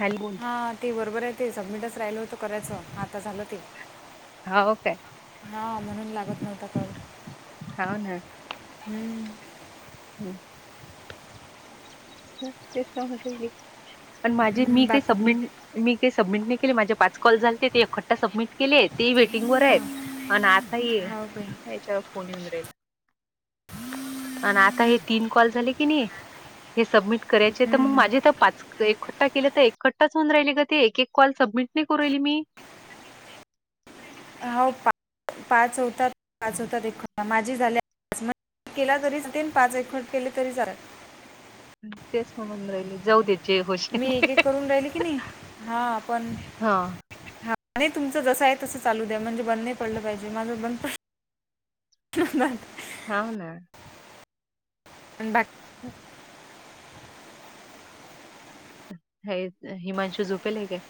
Hello बोल. हां ते बरोबर आहे. ते सबमिटच राहिललं होतं, करायचं आता झालं ते. हाव काय हा म्हणून लागत नव्हता कॉल. हाव ना हम्म हम् तेच माझे मी हं, काही बाकी सबमेट मी काही सबमिट नाही केले माझे पाच कॉल झालेते ते एखट्टा सबमिट केलेत ते वेटिंग वर आहेत आणि आता हो बाई. याच्यावर फोन येऊन राहिला आणि आता हे तीन कॉल झाले की नाही हे सबमिट करायचे तर हं, मग हं. माझे तर पाच एक के तर एकट्टाचऊन राहिली ग ते एक कॉल सबमिट नाही करू राहिली मी हो पा पाच होता पाच होतात माझी झाले केला तरीच तेन पाच एकवट केले तरी झालेत तेच म्हणून राहिले जाऊ देत जे मी होशील एक ते एक करून राहिली की नाही हा आपण हा हा आणि तुमचं जस आहे तसं चालू द्या म्हणजे बंद पडलं पाहिजे माझं बंद [inaudible] हव ना आणि बाकी ह हे हिमांशू झोपेल आहे काय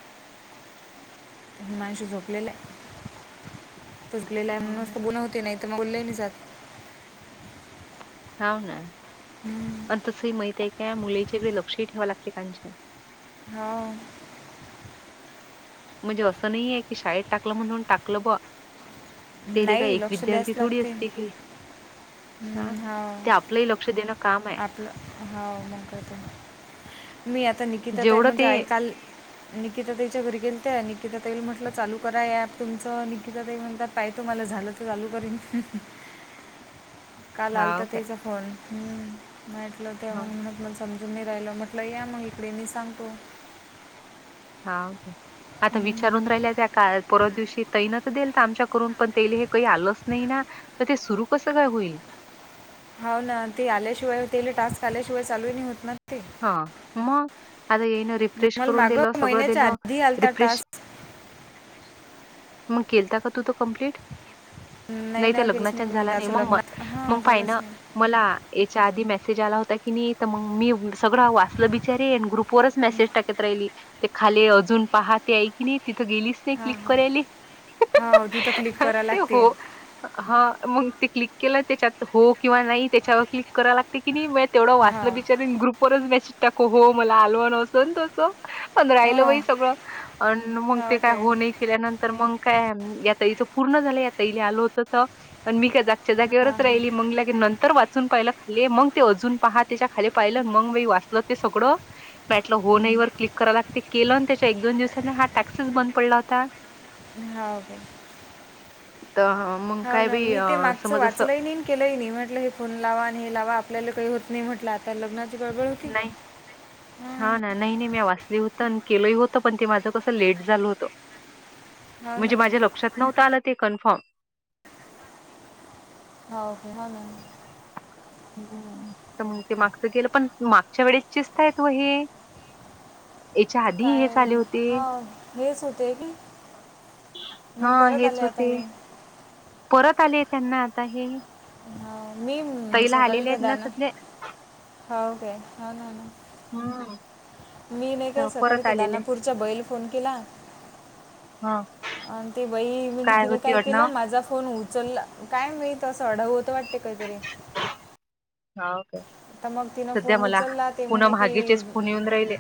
माणस झोपलेला आहे झोपलेला आहे हाव ना म्हणून बोलण होते नाही तर मग बोलले नाही जात हाव ना हं, प तसंही माहित आहे का मुलीच्याकडे लक्षही ठेवाव लागते काच हा म्हणजे असं नाही आहे की शाळेत टाकलं म्हणून टाकलं ब तला काय नाही एक लक्ष विद्यार्थी थोडी असते काही हम्म हो देणं काम आहे. आपलं हो मग करते म मी आता निकता ताई जेवढं म्हणजे ते आई काल निकिता तईच्या घरी गेल त्या निकिता तईल म्हटलं चालू करा ऍप तुमचं निकिता ताई म्हणतात पाहितो मला झालं तर चालू करीन काल आलता हां काय. तेयचा फोन हम् माटल ते हां, म्हटलं समजून मी राहिलं म्हटलं या मग इकडे मी सांगतो हाे आता हम्म. विचारून राहिल्या त्या काल परवाच्या दिवशी तैनत देईल तर आमच्या करून पण तेैल हे काही आलंच नाही ना तर ते सुरू कसं काय होईल हो ना ते आल्याशिवाय तेले टास्क आल्याशिवाय चालू नाही होत ना ते हा मग आता येन रिफ्रेश मला करून दिल मागं सगळं महिन्याच्या दिल आधी आलता रिफ्रेश टास्क मग केलता का तू तो कंप्लीट नाही त्या ना केलंच लग्नाच्यांण मी झाला नाही दाचं मग म लग्न हां मग पाय झालंच ना नाही मला याच्या आधी मेसेज आला होता कीनी मग मी सगळं वाचलं बिचारी येन ग्रुप वच मेसेज टाकत राहिली ते खाली अजून पहा ते ई की नाही तिथं गेलीस हां हा हा तिथं क्लिक कराव लागते हा मग ते क्लिक केलं त्याच्यात हो किंवा नाही त्याच्यावर क्लिक करायला लागते की नाही तेवढं हो वाचलं बिचार ग्रुप वरच मॅसेज टाकू हो मला आलवाण असं तोसं पण हो राहिलं बाई सगळं अ मग हा ते काय ओके होन केल्यानंतर तर मग काय या तईच पूर्ण झालं या तईला आल होत तर मी काय च्या जागेवरच राहिली मग लाग नंतर अ पाहिलं खाली मग ते अजून पहा त्याच्या खाली पाहिलं मग म वाचलं ते सगळं बॅटलं हो नाही वर क्लिक कराय लागते केलं त्याच्या एक दोन दिवसां हा टॅक्सीच बंद पडला होता हा काे तर ह हा ना मी ते मागचं वाचलंय नाही केलंही नाही म्हटलं हे फोन लावा आणि हे लावा आपल्याला काही होत नाही म्हटलं आता लग्नात नाही. हा ना नाही नाही मी वाचली होत आणि केलंही होतं पण ते माझं कसं लेट झालं होतं. हो ना म्हणजे ना माझ्या लक्षात नव्हत आलं ते कन्फर्म हा ओके हो मॅम हम्म तर मग ते मागचं गेलं पण मागच्या वेळेसचेस्त आहेत त व हे याच्या आधी काय हेच आले होते. हा हेच होतेय की मग हां, परत हेच आले आता होते. हे. परत आले त्यांना आता हे. हो मी ताईला सकाळी आलेले तर आहेत द ना सध्या होक हो ना ना. हम्म. मी नाही काय सकाळी त्या दानापूरच्या बैला फोन केला. हं. आणि ते बई म्ही तिला होती काय केलं आडनाव? माझा फोन उचलला. काय मित असं ढा होत वाटते काहीतरी हा ओके. तर मग तिनं फोन उचलला ते म्हणे कि मागेचेच फोन येऊन राहिले.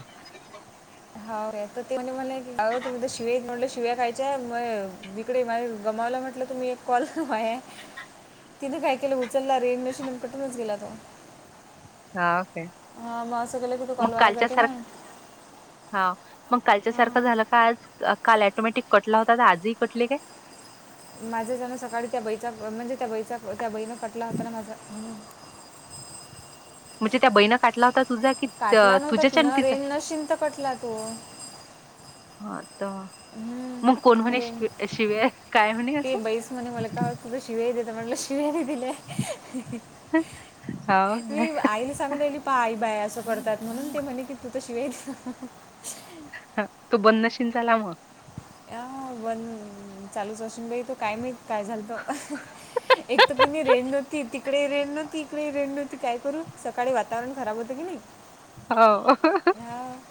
हो ते म्ह म्हले अ तुम्ही तर शिव म्हणलं शिव्या खायच्याय मग इिकडे माझ गमावला म्हटलं तरु मी एक कॉल आहे. तिनें काय केलं उचलला रेन मशीन कटूनच गेला तो. हा ओके. हा बस गले कुठु कलवाय जाते ना. हा. मग कालच्या सारखं हां झालं का आज काल ॅटोमॅटिक कटला होता आजही कटले काय? माझं जण सकाळी त्या बईचा म्हणजे त्या बैचा त्या बहीणं पटला होता ना माझा म्हणजे त्या बहीणं काटला होता. तुझा की त काटला नव्हता तू तुझ्याच्या आणि न तिचा? रें नशन तर कटला तो ह तर मग कोण हम्म, कोणी रेंज शि शिव. काय म्हणे ते असं? बैस म्हणे मला काय तुझं शिव्या देत म्हटला शिव्यानी दिलाय. हां, काय? मी आईली सांगूनली पाई बाय असं करतात म्हणून ते म्हणे की तू त शिवाय ह तो बननशीन झाला मग अ बण चालूच असून गई त काय मा काय झालत. एकत कि नाही रेण नव्हती तिकडे रेण नव्हती इकडे रेण नव्हती काय करू सकाळी वातावरण खराब होतं की नाही. हो हा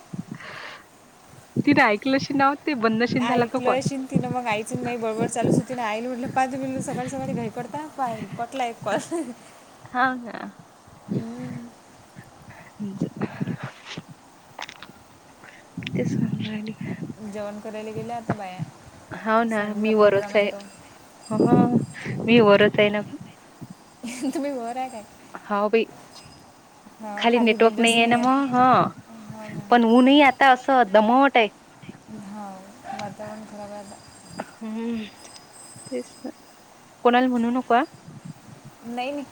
तिने ऐकलं श नाव्हते ब ऐकलंशी तिनं मग आईची माई बरोबर चालूच हो तिने आईला म्हटलं पाच मि सकाळी सकाळी घई पडता पटला एक कॉल. हा का. हम्म, [inaudible] तेच म्हणू राहिली. जेवण करायला गेले आता बाया. होना सांजेचा मी प्रोग्राम वरच आहे तो मी वरच आहे न. तुम्ही बर आहे काय? हो बाई हा खाली नेटवर्क रेंजच नाही आहे ना मग आहेत हा. हो पण ना ऊन ही आता असं दमवट आहे. हाव वातावरण खराब आहे आता. हम् ते कोणाल म्हणू नको हा. नाही नाही.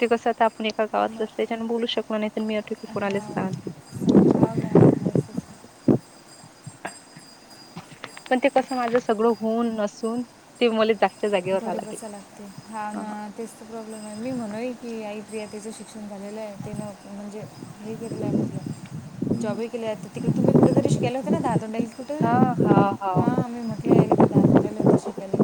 ते कसं आता. ण एका गावातलं अस ज बोलू शकणार नाही मी आठोकी कोणालेच स होऊ न. पण ते कसं माझ सगळं होऊन नसून ते मुले जागच्या जागेवरहा घरी लागली. बसा लागते हा ना तेच प्रॉब्लेम आहे मी म्हणय की आ त्या शिक शिक्षण झालेलं आहे तेनं म्हणजे हे केलेलं आहे मसलं. हम्म. जॉब केले ज तिकडे तुम्ही कुठेतरी शिकायला होते ना दहा तोडला हा कुठेतरी हा हा मी म्हट. ककलीय ये दातुूनडल होत शिकली.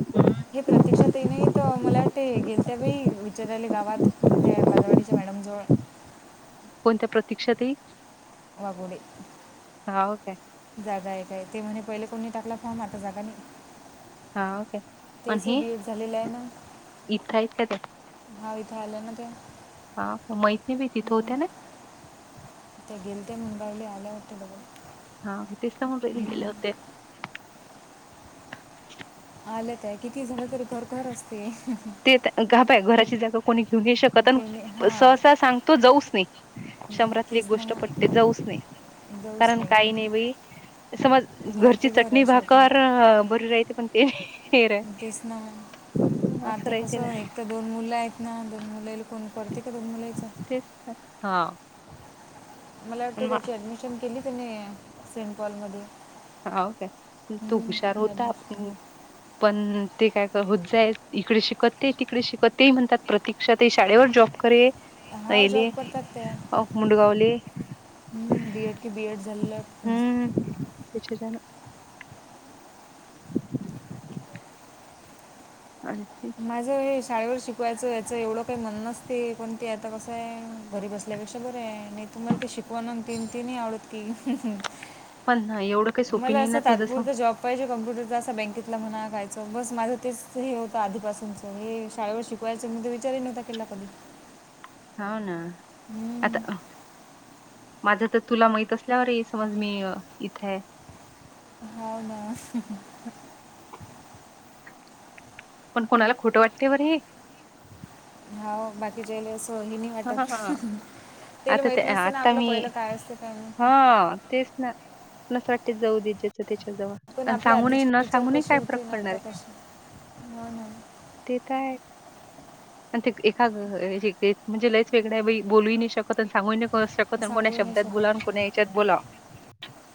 हम्म. हे प्रतीक्षा ते नाही तर मला वाट गेल त्या बाई विचारायले गावात त्या बालवाडीच्या मॅडम जवळ कोणत्या प्रतीक्षात वगुडी. होऊ काय? जागा आहे काय ते म्हणे पहिले कोणी टाकला फॉर्म जागा नाही. हा ओके आणि त्याचे हे डी एड झालेलं आहे इतका इतक ते. ह इथलं ना त्या. मैत नाही बी तिथं होत्या ना. ते गेल ते मुंडाली आल्या होते बघून. हा तेच म्हणू राहिले गेले होते. आलंत आहे किती झालं तरी घरघर असते. बाय घराची जागा कोणी घेऊन नाही शकत कोणी आणि हां सहसा सांगतो जाऊच नाही. शंभरातली एक तेच ना गोष्ट पटते जाऊच नाही. मग जाऊच कारण काही नाही बाई समज घर घरची ते घर चटणी आहे शेवटी भाकर बरी राहते प ते हे रे. तेच ना आता कस ना एक तर दोन मूल आहेत ना दोन मुले मी पडती का गणूला विचार? तेच हा. मला वाटतें पण त्याची ऍडमिशन केली त्याने सेंट पॉलमध्ये. हो काय तो हूशार होता ॲडमिशन आप पण ते काय होत जाई इकडे शिकत ते तिकडे शिकत ते म्हणतात प्रतीक क्षात शाळेवर जॉब करे हा जॉब येले करतात मुंडगावले. बी एड की बी एड झालं. त्याच्याण आले ते. माझं हे शाळेवर शिकवायचं याचं एवढं काही म्हण नसते कोणती आता कसं आहे घरी बसतते. आपल्यापेक्षा बरं आहे नाही तुम्हाला ते शिकवा तीन तीनही आवडत की पण नाही एवढं. काही सोपी मला नाही असं ना तू जसं तात्पुरत जॉब पहिजे कम्पुटरचा असा बँकेतला म्हणा कयचं बस माझं तेच होत आधीपासूनचं हे शाळेवर शिक ते विचारी नव्हता केला कधी. हाव ना. हम्म, आता माझं तर तुला माहित असल्यावर ही समज मी इथेये. हाव ना. पण कोणाला खोटं वाटते बर हे? हाव बाकीच्याले सो हिनी हां, हां, वाटत हां. तेला आता माहीत नसते ना आपलं पहिलं काय असत काय नाही. हा तेच ना. नसं वाटते जाऊदे जेचं त्याच्या जवळ पण आणि आपले सांगूनही आधीचे न विचार सांगूनही कसे काय फरक होते ना पडणार आता आहे. कसे हो ना ते तर आहे. ते एका म्हणजे लयच वेगळ्या बई बोलू नाही शकत सांगू नाही शकत कोणा सांगूही नाही शब्दात बोला आणि कोना याच्यात बोला.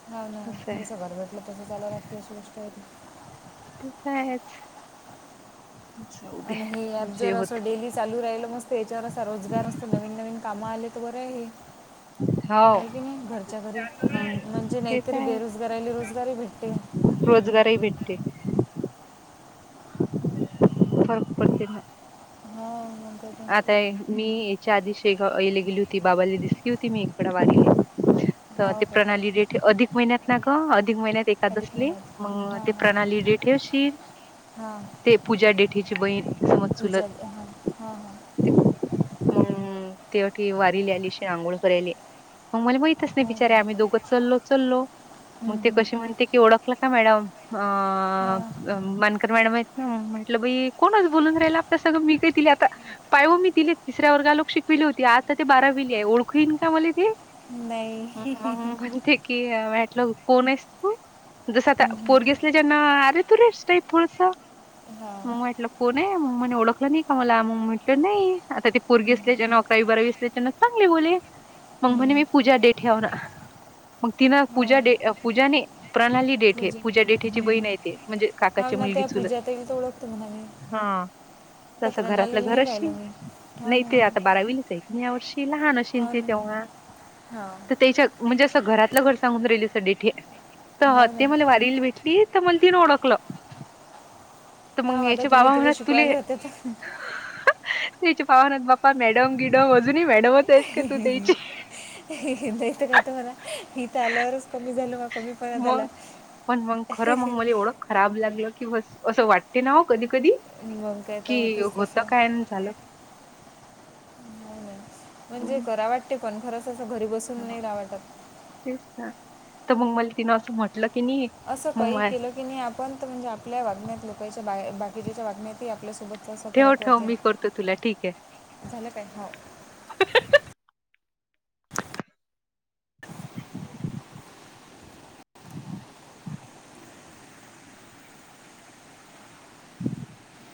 हाव ना. जसं घर भेटलं तसं चाला लागते अशी गोष्ट हाय ती. ते कायच जाऊ दे आणि हे ॲप जे जर होत. असं डेली चालू राहिल मस्त याच्यावर असा रोजगार नसत नवीन नवीन काम आले तर बरं आहे. हो. नाही की नाही घरच्या घरी हं. म्हणजे नाहीतरी बेरोजगाराला रोजगारी भेटते. रोजगार ही भेटते. फरक पडतेना. हो म्हणतो ते आता मी याच्या आधीले गेली होती बाबाला दिसली होती मी इकडे वारीले. तर हो ते काय प्रणाली डेट अधिक महिन्यात ना ग अधिक महिन्यात अधिक एकादसले. महिन्यात मग हां ते हां प्रणाली डेठेशी ते पूजा डेठीेची बहीण. समज चुलत पूजारी हां, हां, हां हम् तेवटी वारी ल्यालीशे आंघोळ करायली. मला माहितच नाही बिचारे हां आम्ही दोघच चलो चलो. मग हं, ते हं. कशी म्हणते की, ओळखलं का मॅडम? अ हां मानकर मॅडम आहेत ना म्हटलं बई कोणच बोलून राहिला? ते सगळं मी काय तिले आता पाय हो मी तिले तिसऱ्या वर्गालोक शिकविले होती आता ते बारावीली आहे ओळखूईन का मला ती? नाही मंग म्हणते की, भेटलं कोण आहेस तू? जस आता हं, हं. पोरगेसले ज्याना अरे तुरे टाईफसं. हां मग म्हटलं कोन आहे? मग मणे ओळखलं नाही का मला? मग नाही आता ती पोरगी असल्याच्यान अ कायी बर असल्याच्यान चांगले बोली. मग म्हणे मी हं. पूजा डे ठेव ना मग तिन हां पूजाडे पूजाने प्रणाली डेठे पूजा डेठेची हं, हं. बहीण आहे ती. म्हणजे हो काकाची ना मुलगी त्या चुल पूजा ताईला तर ओळखतो म्हणा मी हा त्या तसं घरातलं प्रणालीला नाही घरचशी पाहिलं मी हो नाही ते आता ना बारावीलाच आहे यावर्षी लहान असचीन हो ते ना तेव्हा. हां तर त्याच्या म्हणजे असं घरातलं घर सांगून राहिले सगे तर हो ना ते मला वारीला भेटले ते तर मण तीन ओळखलं तर हा मग आता याचे तुम्ही बाबा तिला म्हणत तुले शिकवायला होते तर तेच्या पाहनात बाप्पा मॅडम गिडम अजूनही मॅडमच आहेत का तू त्याची नाहीत काय त मला हे तर आल्यावरच कमी झालं मग. कमी परा झाला. मग पण मग खरं मग मला एवढं खराब लागलं की ब असं वाटते ना हो कधी कधी. मग काय तर कि होतेच होत तसं हो काय आणि झालं नाही नाही म्हणजे हम्म, करा वाटते पण खरंच असं घरी बसून हा, नाही रा वाटतात. तेच ना तर मग मला तिनं असं म्हटलं की नी असं काही केलं की नाही आपण म्हणजे आपल्या वागण्यात लोकच्या बाकीच्याच्या वागण्यात आपल्यासोबत ठेव ठेव मी करतो तुला ठीक आहे. झालं काय? हो. [inaudible] [inaudible]